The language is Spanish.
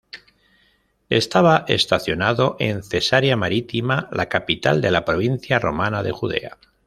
Estaba estacionado en Cesarea Marítima, la capital de la provincia romana de Judea.